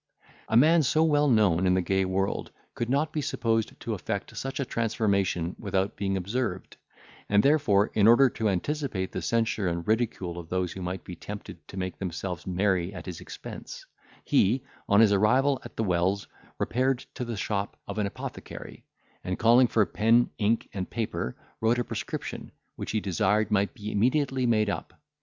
A man so well known in the gay world could not be supposed to effect such a transformation without being observed; and therefore, in order to anticipate the censure and ridicule of those who might be tempted to make themselves merry at his expense, he, on his arrival at the wells, repaired to the shop of an apothecary, and calling for pen, ink, and paper, wrote a prescription, which he desired might be immediately made up.